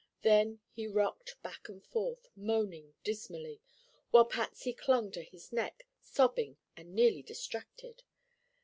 Then he rocked back and forth, moaning dismally, while Patsy clung to his neck, sobbing and nearly distracted.